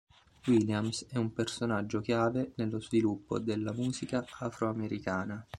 Williams è un personaggio chiave nello sviluppo della Musica afroamericana.